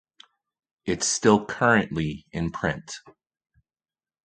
It's still currently in print.